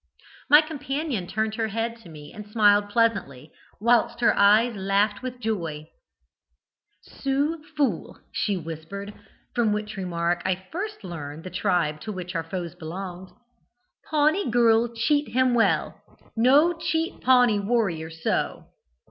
"My companion turned her head to me and smiled pleasantly, whilst her eyes laughed with joy: "'Sioux fool,' she whispered (from which remark I first learned the tribe to which our foes belonged). 'Pawnee girl cheat him well. No cheat Pawnee warrior so!'